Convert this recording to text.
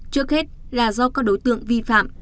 trước hết là do các đối tượng vi phạm